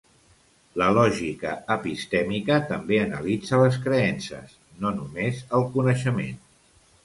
La lògica epistèmica també analitza les creences, no només el coneixement.